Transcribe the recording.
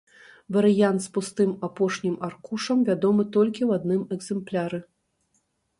Варыянт з пустым апошнім аркушам вядомы толькі ў адным экзэмпляры.